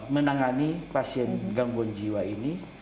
menangani pasien gangguan jiwa ini